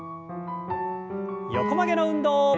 横曲げの運動。